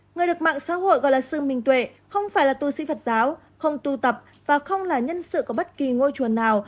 người được mạng xã hội gọi là sư minh tuệ không phải là tu sĩ phật giáo không tu tập và không là nhân sự của bất kỳ ngôi chùa nào